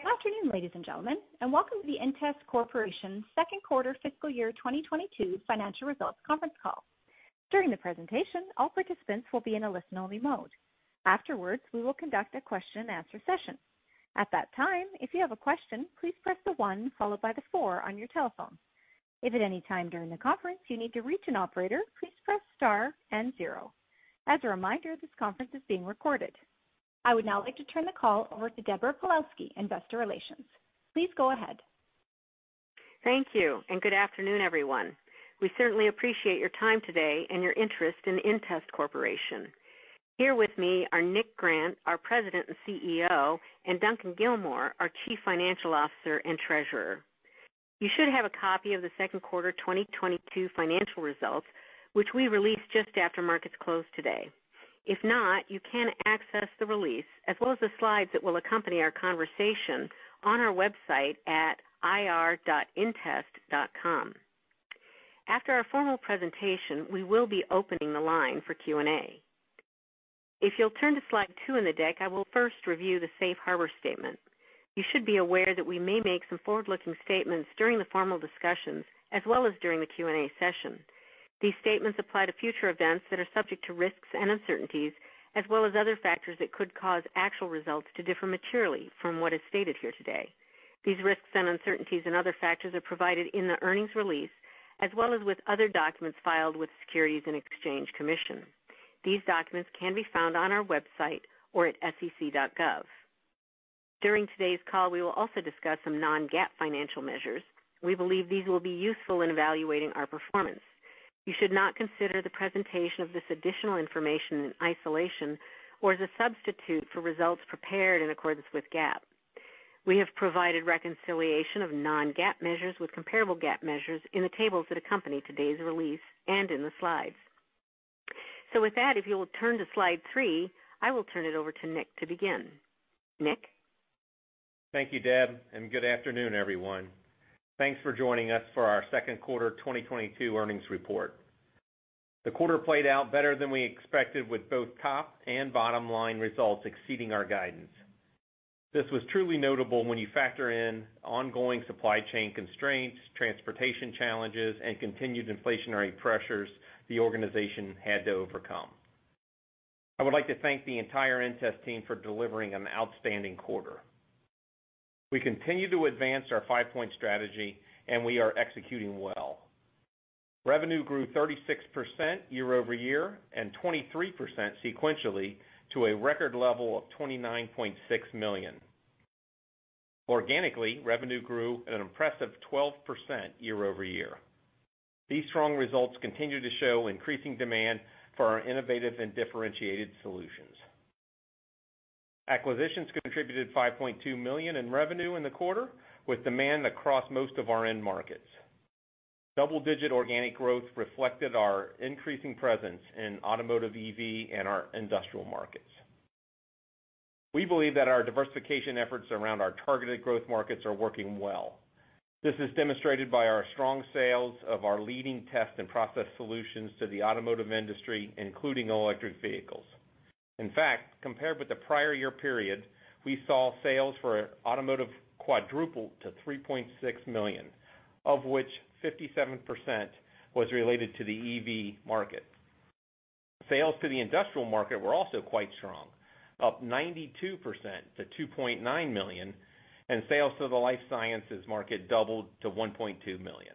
Good afternoon, ladies and gentlemen, and welcome to the inTEST Corporation's Second Quarter Fiscal year 2022 Financial Results Conference Call. During the presentation, all participants will be in a listen-only mode. Afterwards, we will conduct a question and answer session. At that time, if you have a question, please press the one followed by the four on your telephone. If at any time during the conference you need to reach an operator, please press star and zero. As a reminder, this conference is being recorded. I would now like to turn the call over to Deborah Pawlowski, Investor Relations. Please go ahead. Thank you, and good afternoon, everyone. We certainly appreciate your time today and your interest in inTEST Corporation. Here with me are Nick Grant, our President and CEO, and Duncan Gilmour, our Chief Financial Officer and Treasurer. You should have a copy of the second quarter 2022 financial results, which we released just after markets closed today. If not, you can access the release, as well as the slides that will accompany our conversation, on our website at ir.intest.com. After our formal presentation, we will be opening the line for Q&A. If you'll turn to slide two in the deck, I will first review the Safe Harbor statement. You should be aware that we may make some forward-looking statements during the formal discussions as well as during the Q&A session. These statements apply to future events that are subject to risks and uncertainties as well as other factors that could cause actual results to differ materially from what is stated here today. These risks and uncertainties and other factors are provided in the earnings release, as well as with other documents filed with the Securities and Exchange Commission. These documents can be found on our website or at sec.gov. During today's call, we will also discuss some non-GAAP financial measures. We believe these will be useful in evaluating our performance. You should not consider the presentation of this additional information in isolation or as a substitute for results prepared in accordance with GAAP. We have provided reconciliation of non-GAAP measures with comparable GAAP measures in the tables that accompany today's release and in the slides. With that, if you will turn to slide three, I will turn it over to Nick to begin. Nick? Thank you, Deb, and good afternoon, everyone. Thanks for joining us for our second quarter 2022 earnings report. The quarter played out better than we expected, with both top and bottom line results exceeding our guidance. This was truly notable when you factor in ongoing supply chain constraints, transportation challenges, and continued inflationary pressures the organization had to overcome. I would like to thank the entire inTEST team for delivering an outstanding quarter. We continue to advance our 5-Point Strategy, and we are executing well. Revenue grew 36% year-over-year and 23% sequentially to a record level of $29.6 million. Organically, revenue grew at an impressive 12% year-over-year. These strong results continue to show increasing demand for our innovative and differentiated solutions. Acquisitions contributed $5.2 million in revenue in the quarter, with demand across most of our end markets. Double-digit organic growth reflected our increasing presence in automotive EV and our industrial markets. We believe that our diversification efforts around our targeted growth markets are working well. This is demonstrated by our strong sales of our leading test and process solutions to the automotive industry, including electric vehicles. In fact, compared with the prior year period, we saw sales for automotive quadrupled to $3.6 million, of which 57% was related to the EV market. Sales to the industrial market were also quite strong, up 92% to $2.9 million, and sales to the life sciences market doubled to $1.2 million.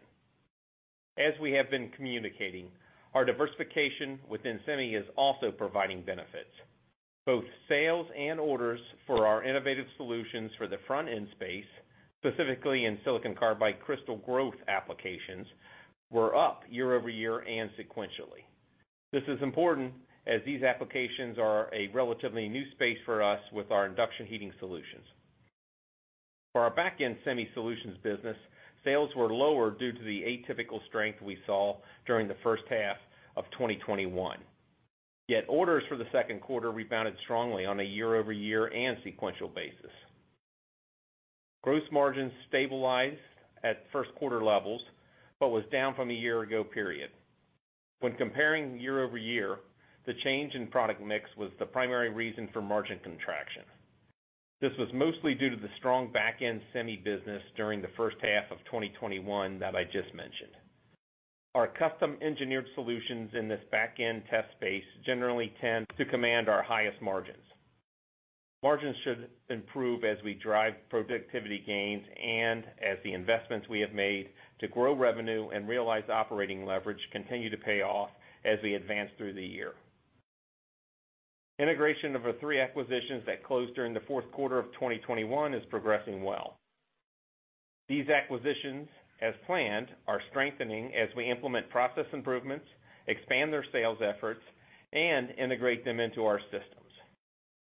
We have been communicating, our diversification within semi is also providing benefits. Both sales and orders for our innovative solutions for the front-end space, specifically in silicon carbide crystal growth applications, were up year-over-year and sequentially. This is important, as these applications are a relatively new space for us with our induction heating solutions. For our back-end semi solutions business, sales were lower due to the atypical strength we saw during the first half of 2021. Yet orders for the second quarter rebounded strongly on a year-over-year and sequential basis. Gross margins stabilized at first quarter levels, but was down from a year-ago period. When comparing year-over-year, the change in product mix was the primary reason for margin contraction. This was mostly due to the strong back-end semi business during the first half of 2021 that I just mentioned. Our custom engineered solutions in this back-end test space generally tend to command our highest margins. Margins should improve as we drive productivity gains and as the investments we have made to grow revenue and realize operating leverage continue to pay off as we advance through the year. Integration of the three acquisitions that closed during the fourth quarter of 2021 is progressing well. These acquisitions, as planned, are strengthening as we implement process improvements, expand their sales efforts, and integrate them into our systems.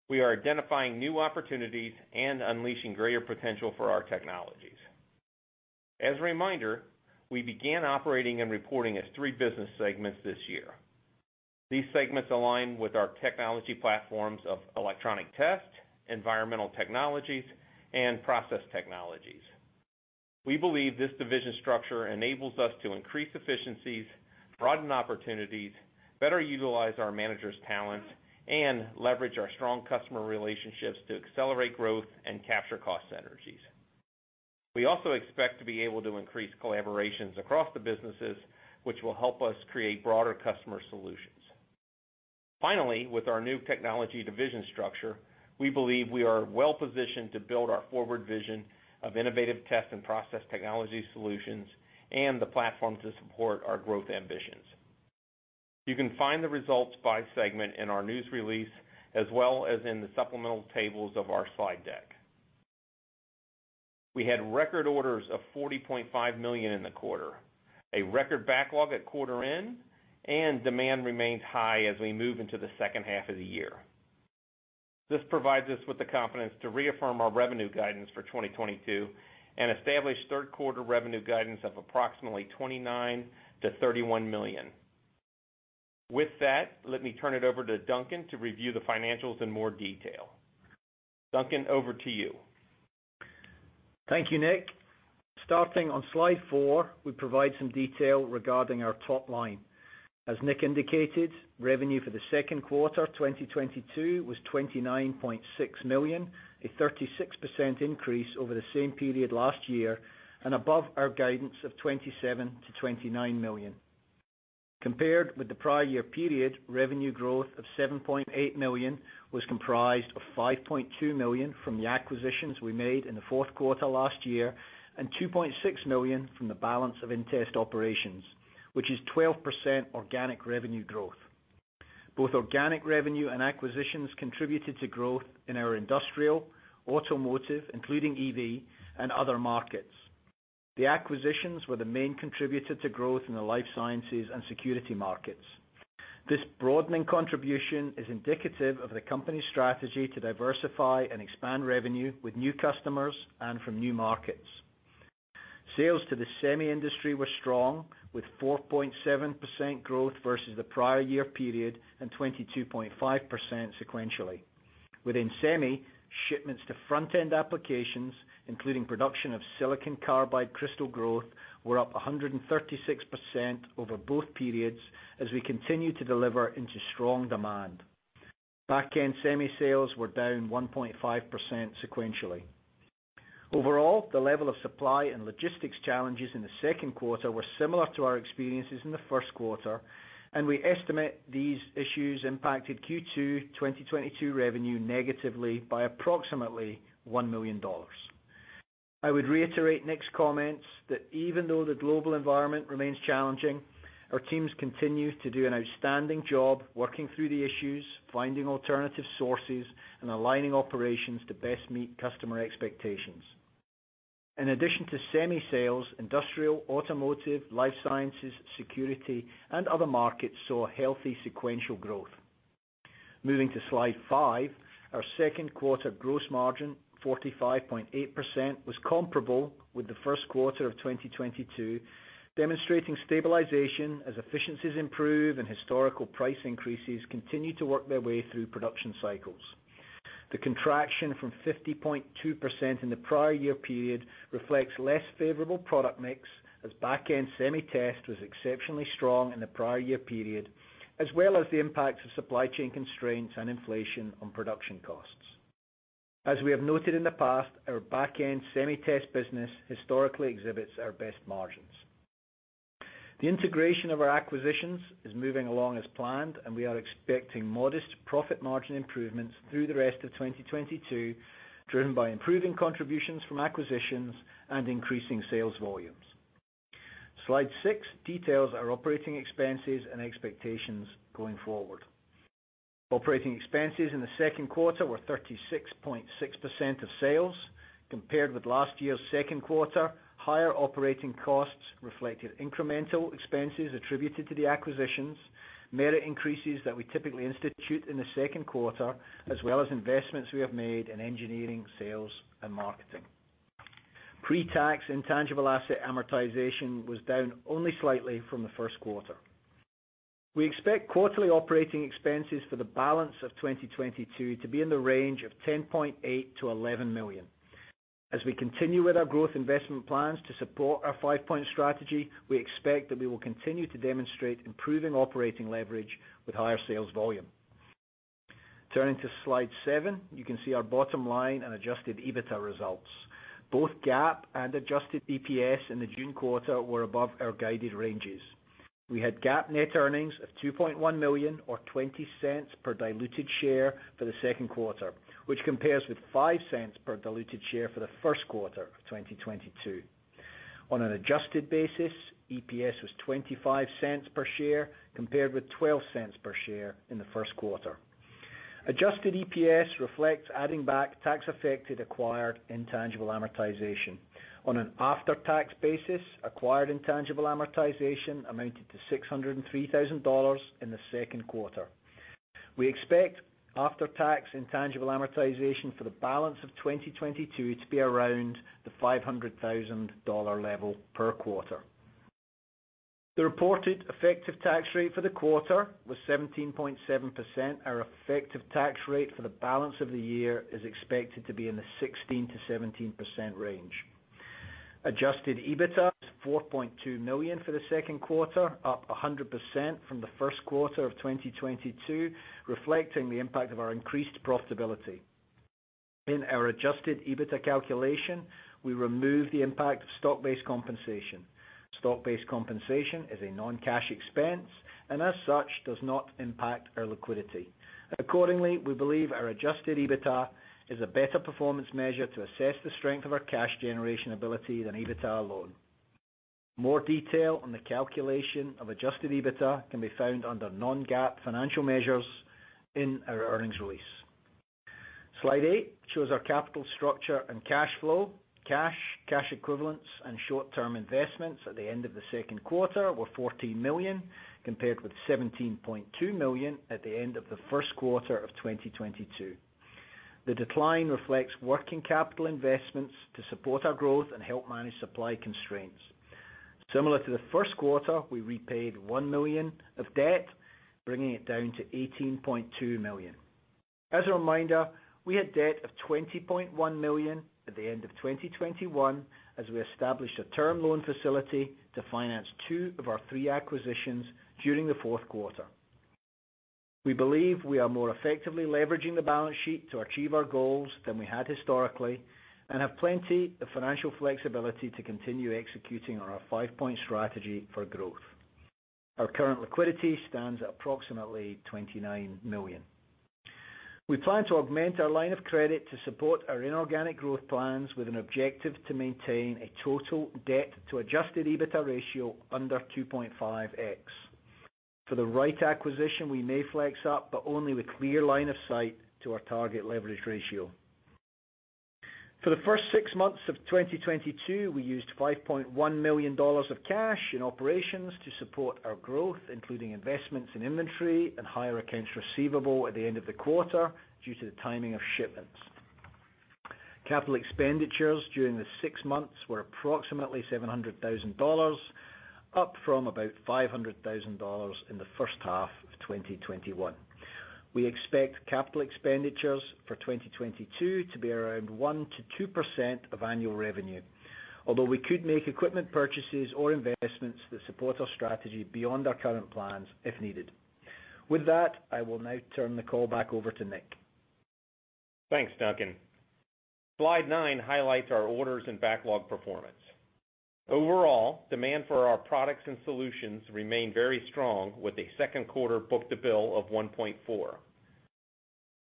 We are identifying new opportunities and unleashing greater potential for our technologies. As a reminder, we began operating and reporting as three business segments this year. These segments align with our technology platforms of Electronic Test, Environmental Technologies, and Process Technologies. We believe this division structure enables us to increase efficiencies, broaden opportunities, better utilize our managers' talent, and leverage our strong customer relationships to accelerate growth and capture cost synergies. We also expect to be able to increase collaborations across the businesses, which will help us create broader customer solutions. Finally, with our new technology division structure, we believe we are well-positioned to build our forward vision of innovative test and process technology solutions and the platform to support our growth ambitions. You can find the results by segment in our news release, as well as in the supplemental tables of our slide deck. We had record orders of $40.5 million in the quarter, a record backlog at quarter end, and demand remains high as we move into the second half of the year. This provides us with the confidence to reaffirm our revenue guidance for 2022 and establish third quarter revenue guidance of approximately $29 million-$31 million. With that, let me turn it over to Duncan to review the financials in more detail. Duncan, over to you. Thank you, Nick. Starting on slide four, we provide some detail regarding our top line. As Nick indicated, revenue for the second quarter 2022 was $29.6 million, a 36% increase over the same period last year and above our guidance of $27 million-$29 million. Compared with the prior year period, revenue growth of $7.8 million was comprised of $5.2 million from the acquisitions we made in the fourth quarter last year and $2.6 million from the balance of inTEST operations, which is 12% organic revenue growth. Both organic revenue and acquisitions contributed to growth in our industrial, automotive, including EV, and other markets. The acquisitions were the main contributor to growth in the life sciences and security markets. This broadening contribution is indicative of the company's strategy to diversify and expand revenue with new customers and from new markets. Sales to the semi industry were strong with 4.7% growth versus the prior year period and 22.5% sequentially. Within semi, shipments to front-end applications, including production of silicon carbide crystal growth, were up 136% over both periods as we continue to deliver into strong demand. Back-end semi sales were down 1.5% sequentially. Overall, the level of supply and logistics challenges in the second quarter were similar to our experiences in the first quarter, and we estimate these issues impacted Q2 2022 revenue negatively by approximately $1 million. I would reiterate Nick's comments that even though the global environment remains challenging, our teams continue to do an outstanding job working through the issues, finding alternative sources, and aligning operations to best meet customer expectations. In addition to semi sales, industrial, automotive, life sciences, security, and other markets saw healthy sequential growth. Moving to slide 5. Our second quarter gross margin, 45.8%, was comparable with the first quarter of 2022, demonstrating stabilization as efficiencies improve and historical price increases continue to work their way through production cycles. The contraction from 50.2% in the prior year period reflects less favorable product mix as back-end semi-test was exceptionally strong in the prior year period, as well as the impacts of supply chain constraints and inflation on production costs. As we have noted in the past, our back-end semi-test business historically exhibits our best margins. The integration of our acquisitions is moving along as planned, and we are expecting modest profit margin improvements through the rest of 2022, driven by improving contributions from acquisitions and increasing sales volumes. Slide 6 details our operating expenses and expectations going forward. Operating expenses in the second quarter were 36.6% of sales compared with last year's second quarter. Higher operating costs reflected incremental expenses attributed to the acquisitions, merit increases that we typically institute in the second quarter, as well as investments we have made in engineering, sales, and marketing. Pre-tax intangible asset amortization was down only slightly from the first quarter. We expect quarterly operating expenses for the balance of 2022 to be in the range of $10.8 million-$11 million. As we continue with our growth investment plans to support our 5-Point Strategy, we expect that we will continue to demonstrate improving operating leverage with higher sales volume. Turning to slide 7, you can see our bottom line and adjusted EBITDA results. Both GAAP and adjusted EPS in the June quarter were above our guided ranges. We had GAAP net earnings of $2.1 million or $0.20 per diluted share for the second quarter, which compares with $0.05 per diluted share for the first quarter of 2022. On an adjusted basis, EPS was $0.25 per share compared with $0.12 per share in the first quarter. Adjusted EPS reflects adding back tax effect to acquired intangible amortization. On an after-tax basis, acquired intangible amortization amounted to $603,000 in the second quarter. We expect after-tax intangible amortization for the balance of 2022 to be around the $500,000 level per quarter. The reported effective tax rate for the quarter was 17.7%. Our effective tax rate for the balance of the year is expected to be in the 16%-17% range. Adjusted EBITDA is $4.2 million for the second quarter, up 100% from the first quarter of 2022, reflecting the impact of our increased profitability. In our adjusted EBITDA calculation, we remove the impact of stock-based compensation. Stock-based compensation is a non-cash expense, and as such, does not impact our liquidity. Accordingly, we believe our adjusted EBITDA is a better performance measure to assess the strength of our cash generation ability than EBITDA alone. More detail on the calculation of adjusted EBITDA can be found under Non-GAAP Financial Measures in our earnings release. Slide 8 shows our capital structure and cash flow. Cash, cash equivalents, and short-term investments at the end of the second quarter were $14 million, compared with $17.2 million at the end of the first quarter of 2022. The decline reflects working capital investments to support our growth and help manage supply constraints. Similar to the first quarter, we repaid $1 million of debt, bringing it down to $18.2 million. As a reminder, we had debt of $20.1 million at the end of 2021 as we established a term loan facility to finance two of our three acquisitions during the fourth quarter. We believe we are more effectively leveraging the balance sheet to achieve our goals than we had historically and have plenty of financial flexibility to continue executing on our 5-Point Strategy for growth. Our current liquidity stands at approximately $29 million. We plan to augment our line of credit to support our inorganic growth plans with an objective to maintain a total debt to adjusted EBITDA ratio under 2.5x. For the right acquisition, we may flex up, but only with clear line of sight to our target leverage ratio. For the first six months of 2022, we used $5.1 million of cash in operations to support our growth, including investments in inventory and higher accounts receivable at the end of the quarter due to the timing of shipments. Capital expenditures during the six months were approximately $700 thousand, up from about $500 thousand in the first half of 2021. We expect capital expenditures for 2022 to be around 1%-2% of annual revenue, although we could make equipment purchases or investments that support our strategy beyond our current plans if needed. With that, I will now turn the call back over to Nick. Thanks, Duncan. Slide 9 highlights our orders and backlog performance. Overall, demand for our products and solutions remain very strong with a second quarter book-to-bill of 1.4.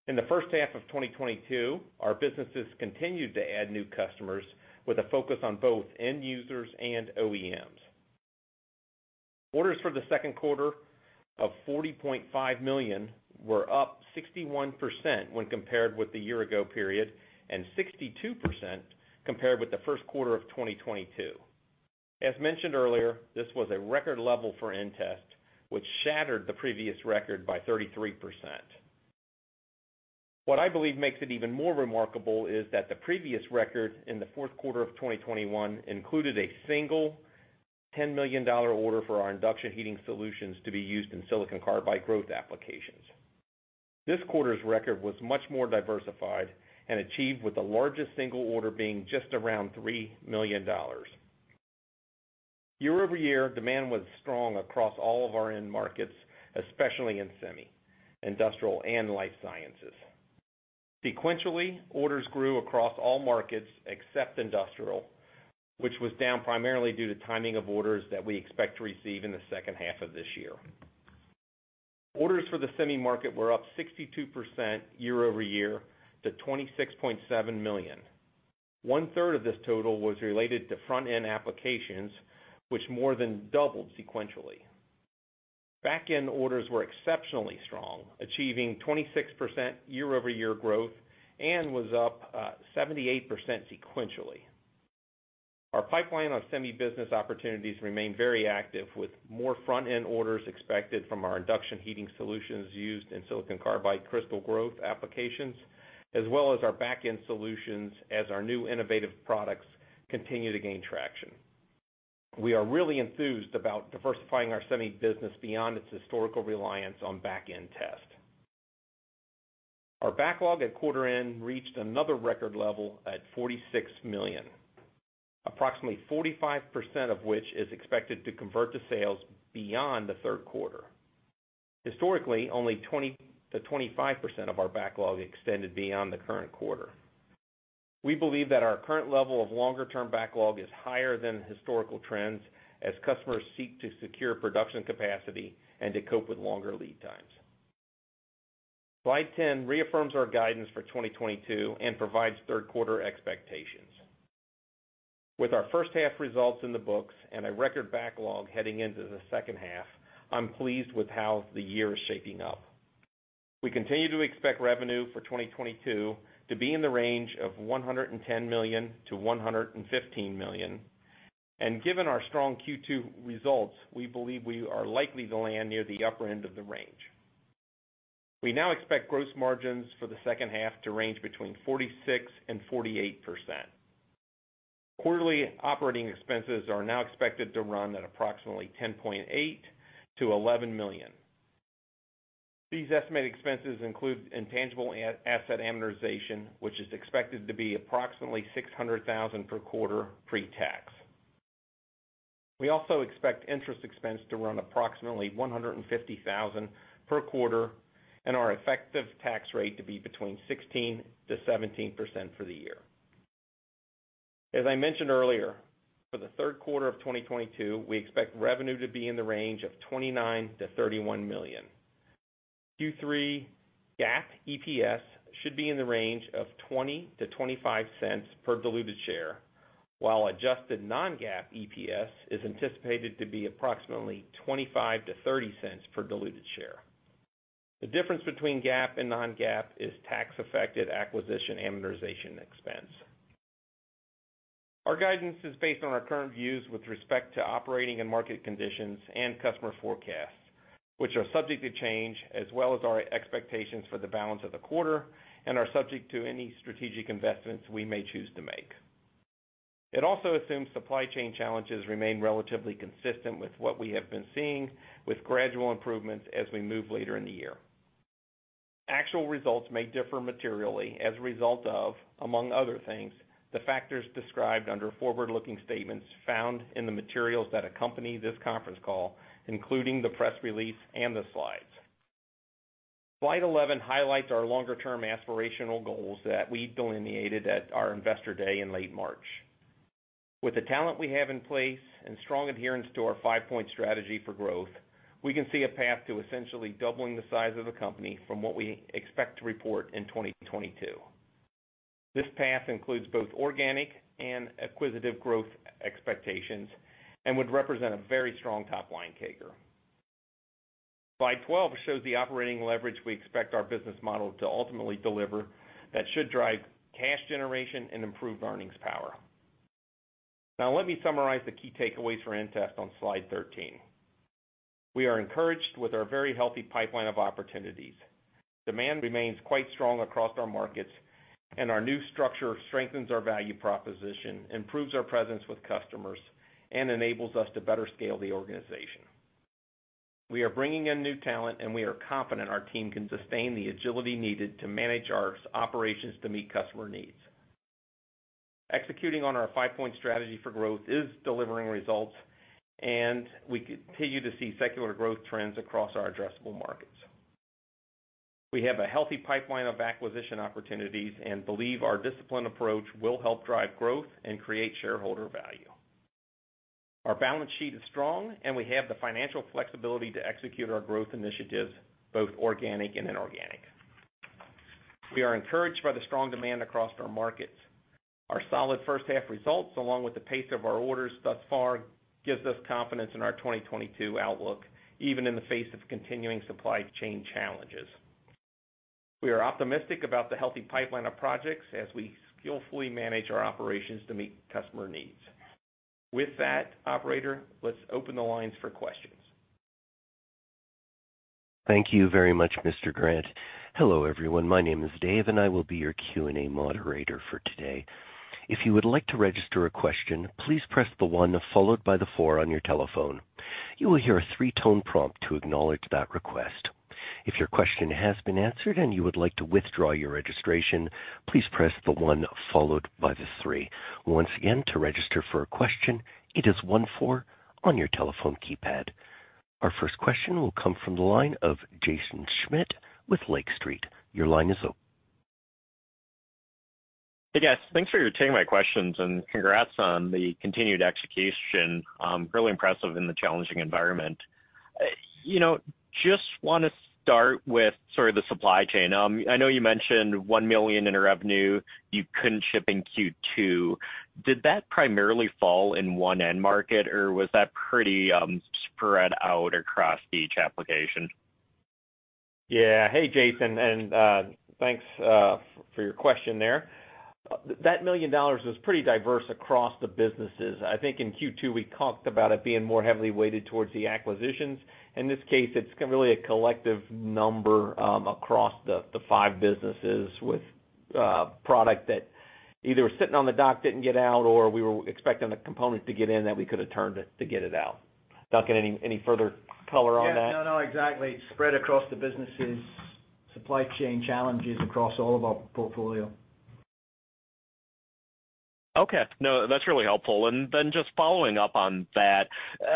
In the first half of 2022, our businesses continued to add new customers with a focus on both end users and OEMs. Orders for the second quarter of $40.5 million were up 61% when compared with the year ago period and 62% compared with the first quarter of 2022. As mentioned earlier, this was a record level for inTEST, which shattered the previous record by 33%. What I believe makes it even more remarkable is that the previous record in the fourth quarter of 2021 included a single $10 million order for our induction heating solutions to be used in silicon carbide growth applications. This quarter's record was much more diversified and achieved with the largest single order being just around $3 million. Year-over-year, demand was strong across all of our end markets, especially in semi, industrial, and life sciences. Sequentially, orders grew across all markets except industrial, which was down primarily due to timing of orders that we expect to receive in the second half of this year. Orders for the semi market were up 62% year-over-year to $26.7 million. One-third of this total was related to front-end applications, which more than doubled sequentially. Back-end orders were exceptionally strong, achieving 26% year-over-year growth and was up 78% sequentially. Our pipeline of semi business opportunities remain very active, with more front-end orders expected from our induction heating solutions used in silicon carbide crystal growth applications, as well as our back-end solutions as our new innovative products continue to gain traction. We are really enthused about diversifying our semi business beyond its historical reliance on back-end test. Our backlog at quarter end reached another record level at $46 million, approximately 45% of which is expected to convert to sales beyond the third quarter. Historically, only 20%-25% of our backlog extended beyond the current quarter. We believe that our current level of longer-term backlog is higher than historical trends as customers seek to secure production capacity and to cope with longer lead times. Slide 10 reaffirms our guidance for 2022 and provides third quarter expectations. With our first half results in the books and a record backlog heading into the second half, I'm pleased with how the year is shaping up. We continue to expect revenue for 2022 to be in the range of $110 million-$115 million. Given our strong Q2 results, we believe we are likely to land near the upper end of the range. We now expect gross margins for the second half to range between 46%-48%. Quarterly operating expenses are now expected to run at approximately $10.8 million-$11 million. These estimated expenses include intangible asset amortization, which is expected to be approximately $600,000 per quarter pre-tax. We also expect interest expense to run approximately $150,000 per quarter and our effective tax rate to be between 16% to 17% for the year. As I mentioned earlier, for the third quarter of 2022, we expect revenue to be in the range of $29-$31 million. Q3 GAAP EPS should be in the range of $0.20-$0.25 per diluted share, while adjusted non-GAAP EPS is anticipated to be approximately $0.25-$0.30 per diluted share. The difference between GAAP and non-GAAP is tax affected acquisition amortization expense. Our guidance is based on our current views with respect to operating and market conditions and customer forecasts, which are subject to change as well as our expectations for the balance of the quarter and are subject to any strategic investments we may choose to make. It also assumes supply chain challenges remain relatively consistent with what we have been seeing with gradual improvements as we move later in the year. Actual results may differ materially as a result of, among other things, the factors described under forward-looking statements found in the materials that accompany this conference call, including the press release and the slides. Slide 11 highlights our longer-term aspirational goals that we delineated at our Investor Day in late March. With the talent we have in place and strong adherence to our 5-Point Strategy for growth, we can see a path to essentially doubling the size of the company from what we expect to report in 2022. This path includes both organic and acquisitive growth expectations and would represent a very strong top-line CAGR. Slide 12 shows the operating leverage we expect our business model to ultimately deliver that should drive cash generation and improve earnings power. Now let me summarize the key takeaways for inTEST on Slide 13. We are encouraged with our very healthy pipeline of opportunities. Demand remains quite strong across our markets, and our new structure strengthens our value proposition, improves our presence with customers, and enables us to better scale the organization. We are bringing in new talent, and we are confident our team can sustain the agility needed to manage our operations to meet customer needs. Executing on our 5-Point Strategy for growth is delivering results, and we continue to see secular growth trends across our addressable markets. We have a healthy pipeline of acquisition opportunities and believe our disciplined approach will help drive growth and create shareholder value. Our balance sheet is strong, and we have the financial flexibility to execute our growth initiatives, both organic and inorganic. We are encouraged by the strong demand across our markets. Our solid first half results, along with the pace of our orders thus far, gives us confidence in our 2022 outlook, even in the face of continuing supply chain challenges. We are optimistic about the healthy pipeline of projects as we skillfully manage our operations to meet customer needs. With that, operator, let's open the lines for questions. Thank you very much, Mr. Grant. Hello, everyone. My name is Dave, and I will be your Q&A moderator for today. If you would like to register a question, please press the one followed by the four on your telephone. You will hear a three-tone prompt to acknowledge that request. If your question has been answered and you would like to withdraw your registration, please press the one followed by the three. Once again, to register for a question, it is one four on your telephone keypad. Our first question will come from the line of Jaeson Schmidt with Lake Street. Your line is open. Hey, guys. Thanks for taking my questions and congrats on the continued execution. Really impressive in the challenging environment. You know, just wanna start with sort of the supply chain. I know you mentioned $1 million in revenue you couldn't ship in Q2. Did that primarily fall in one end market or was that pretty, spread out across each application? Yeah. Hey, Jaeson, and thanks for your question there. That $1 million was pretty diverse across the businesses. I think in Q2, we talked about it being more heavily weighted towards the acquisitions. In this case, it's really a collective number across the five businesses with product that either was sitting on the dock, didn't get out, or we were expecting a component to get in that we could have turned it to get it out. Duncan, any further color on that? Yeah, no, exactly. It's spread across the businesses, supply chain challenges across all of our portfolio. Okay. No, that's really helpful. Just following up on that,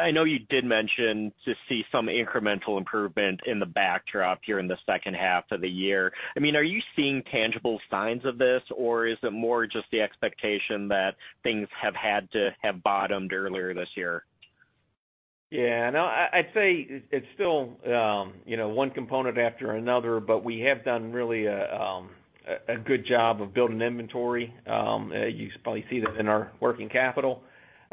I know you did mention to see some incremental improvement in the backdrop here in the second half of the year. I mean, are you seeing tangible signs of this, or is it more just the expectation that things have had to have bottomed earlier this year? Yeah, no, I'd say it's still, you know, one component after another, but we have done really a good job of building inventory. You probably see that in our working capital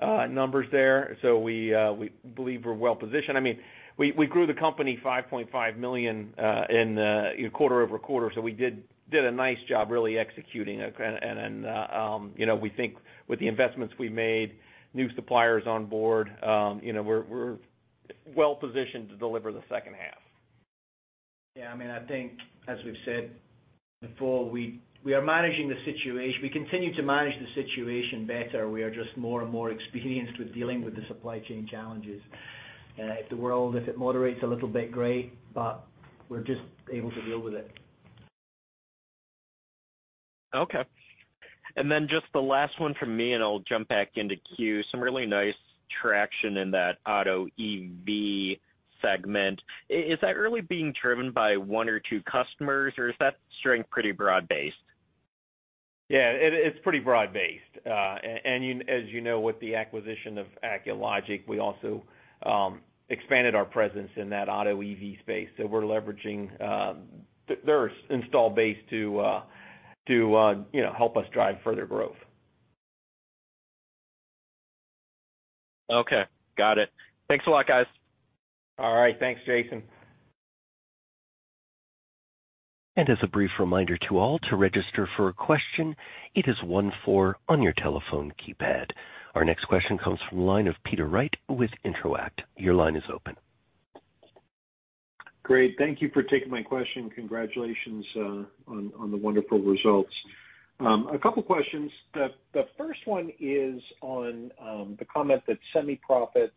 numbers there. We believe we're well positioned. I mean, we grew the company $5.5 million in quarter-over-quarter, so we did a nice job really executing. You know, we think with the investments we made, new suppliers on board, you know, we're well-positioned to deliver the second half. Yeah, I mean, I think as we've said before, we are managing the situation. We continue to manage the situation better. We are just more and more experienced with dealing with the supply chain challenges. If it moderates a little bit, great, but we're just able to deal with it. Okay. Just the last one from me, and I'll jump back into queue. Some really nice traction in that auto EV segment. Is that really being driven by one or two customers, or is that strength pretty broad-based? Yeah, it's pretty broad-based. As you know, with the acquisition of Acculogic, we also expanded our presence in that auto EV space. We're leveraging their installed base to, you know, help us drive further growth. Okay, got it. Thanks a lot, guys. All right, thanks, Jaeson. As a brief reminder to all, to register for a question, it is one four on your telephone keypad. Our next question comes from the line of Peter Wright with Intro-act. Your line is open. Great. Thank you for taking my question. Congratulations on the wonderful results. A couple questions. The first one is on the comment that semi profits,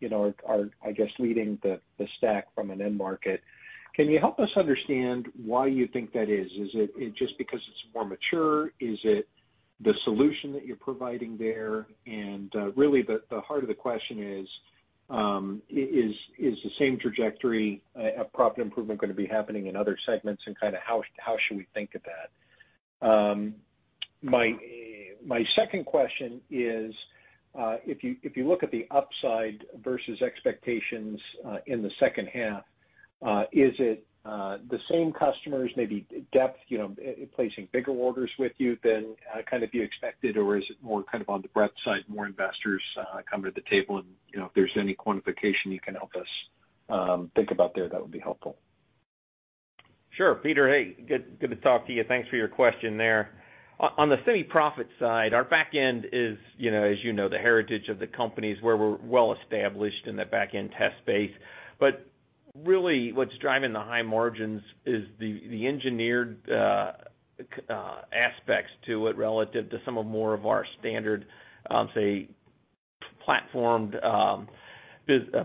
you know, are, I guess, leading the stack from an end market. Can you help us understand why you think that is? Is it just because it's more mature? Is it the solution that you're providing there? Really the heart of the question is the same trajectory of profit improvement gonna be happening in other segments? Kinda how should we think of that? My second question is, if you look at the upside versus expectations in the second half, is it the same customers, maybe deeper, you know, placing bigger orders with you than kind of you expected? Or is it more kind of on the breadth side, more customers come to the table? You know, if there's any quantification you can help us think about there, that would be helpful. Sure. Peter, hey, good to talk to you. Thanks for your question there. On the semi product side, our back-end is, you know, as you know, the heritage of the companies where we're well established in the back-end test space. Really what's driving the high margins is the engineered aspects to it relative to some more of our standard say platformed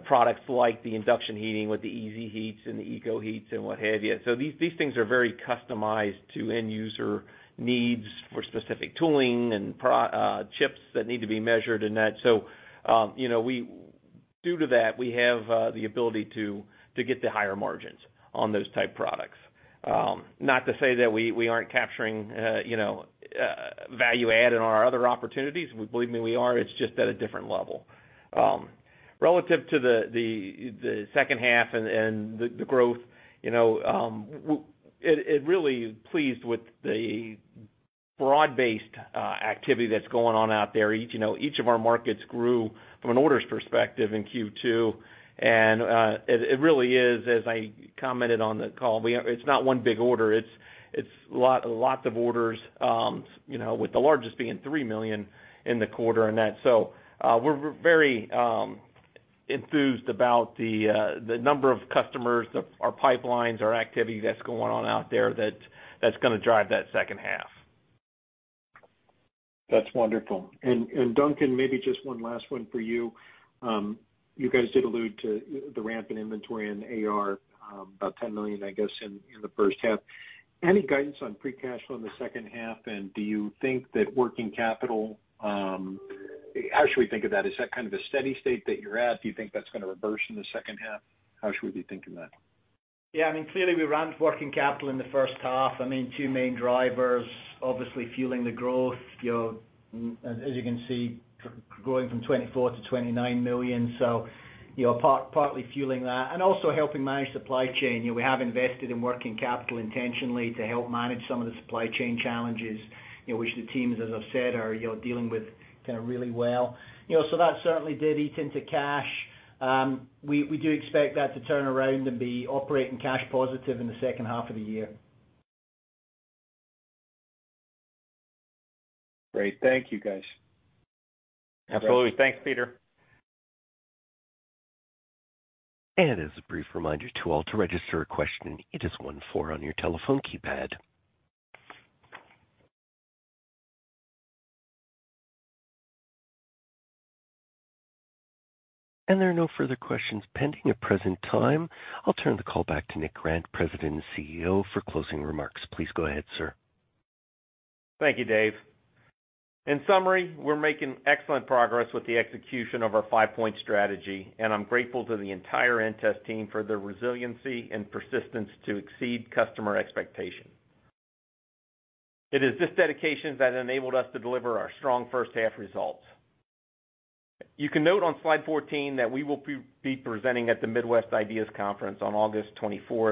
products like the induction heating with the EASYHEAT and the EKOHEAT and what have you. These things are very customized to end user needs for specific tooling and chips that need to be measured and that. You know, due to that, we have the ability to get the higher margins on those type products. Not to say that we aren't capturing, you know, value add in our other opportunities. Believe me, we are. It's just at a different level. Relative to the second half and the growth, you know, we're really pleased with the broad-based activity that's going on out there. Each of our markets grew from an orders perspective in Q2. It really is, as I commented on the call, it's not one big order. It's lots of orders, you know, with the largest being $3 million in the quarter on that. We're very enthused about the number of customers, our pipelines, our activity that's going on out there that's gonna drive that second half. That's wonderful. Duncan, maybe just one last one for you. You guys did allude to the rampant inventory in AR about $10 million, I guess, in the first half. Any guidance on free cash flow in the second half? Do you think that working capital, how should we think of that? Is that kind of the steady state that you're at? Do you think that's gonna reverse in the second half? How should we be thinking that? Yeah, I mean, clearly we ran working capital in the first half. I mean, two main drivers obviously fueling the growth, you know, as you can see, growing from $24 million-$29 million. You know, partly fueling that and also helping manage supply chain. You know, we have invested in working capital intentionally to help manage some of the supply chain challenges, you know, which the teams, as I've said, are, you know, dealing with kinda really well. You know, so that certainly did eat into cash. We do expect that to turn around and be operating cash positive in the second half of the year. Great. Thank you, guys. Absolutely. Thanks, Peter. As a brief reminder to all, to register a question, it is one four on your telephone keypad. There are no further questions pending at present time. I'll turn the call back to Nick Grant, President and CEO, for closing remarks. Please go ahead, sir. Thank you, Dave. In summary, we're making excellent progress with the execution of our five-point strategy, and I'm grateful to the entire inTEST team for their resiliency and persistence to exceed customer expectation. It is this dedication that enabled us to deliver our strong first half results. You can note on slide 14 that we will be presenting at the Midwest IDEAS Investor Conference on August 24,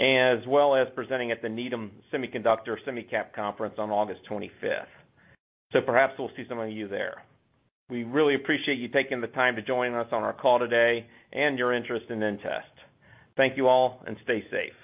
as well as presenting at the Needham Semiconductor and SemiCap Conference on August 25. Perhaps we'll see some of you there. We really appreciate you taking the time to join us on our call today and your interest in inTEST. Thank you all and stay safe.